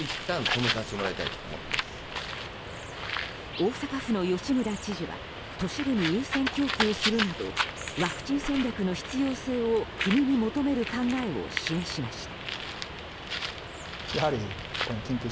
大阪府の吉村知事は都市部に優先供給するなどワクチン戦略の必要性を国に求める考えを示しました。